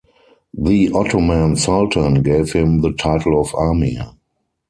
The Ottoman Sultan gave him the title of Amir.